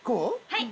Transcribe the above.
はい。